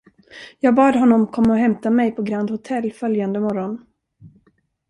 Jag bad honom komma och hämta mig på Grand Hôtel följande morgon.